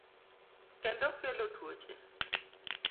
kendo kelo tuoche.